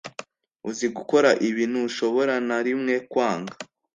uzi gukora ibi ntushobora na rimwe kwanga